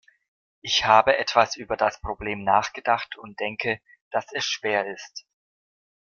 Ich habe etwas über das Problem nachgedacht und denke, dass es schwer ist.